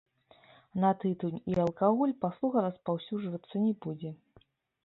На тытунь і алкаголь паслуга распаўсюджвацца не будзе.